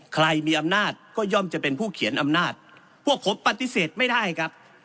ใครมีอำนาจก็ย่อมจะเป็นผู้เขียนอำนาจพวกผมปฏิเสธไม่ได้ครับ